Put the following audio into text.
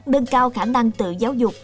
nâng cao khả năng tự giáo dục